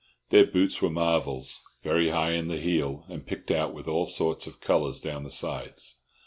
Their boots were marvels, very high in the heel and picked out with all sorts of colours down the sides.